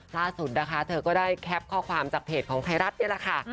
ล่าสุดนะคะเธอก็ได้แคปข้อความจากเพจของไทยรัฐนี่แหละค่ะ